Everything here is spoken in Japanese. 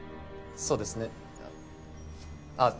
そうですねあっ！